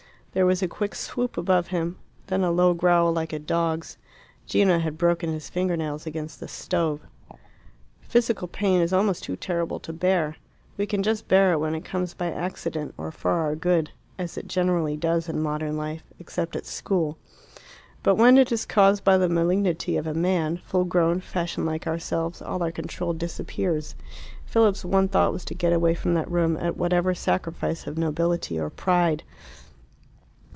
There was a quick swoop above him, and then a low growl like a dog's. Gino had broken his finger nails against the stove. Physical pain is almost too terrible to bear. We can just bear it when it comes by accident or for our good as it generally does in modern life except at school. But when it is caused by the malignity of a man, full grown, fashioned like ourselves, all our control disappears. Philip's one thought was to get away from that room at whatever sacrifice of nobility or pride.